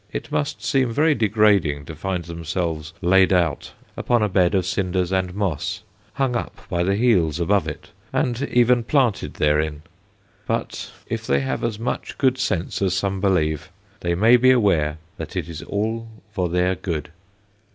It must seem very degrading to find themselves laid out upon a bed of cinders and moss, hung up by the heels above it, and even planted therein; but if they have as much good sense as some believe, they may be aware that it is all for their good.